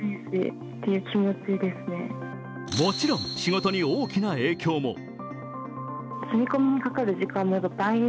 もちろん仕事に大きな影響も。